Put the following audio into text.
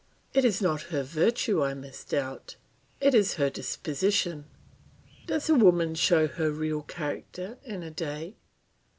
It is not her virtue I misdoubt, it is her disposition. Does a woman show her real character in a day?